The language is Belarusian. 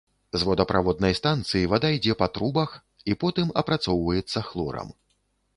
З водаправоднай станцыі вада ідзе па трубах і потым апрацоўваецца хлорам.